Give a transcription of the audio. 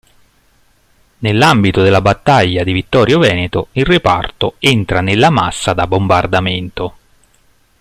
Nell'ambito della battaglia di Vittorio Veneto il reparto entra nella Massa da Bombardamento.